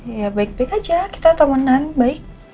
ya baik baik aja kita temenan baik